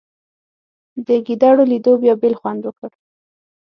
د ګېډړو لیدو بیا بېل خوند وکړ.